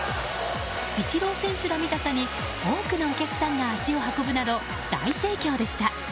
イチロー選手ら見たさに多くのお客さんが足を運ぶなど大盛況でした。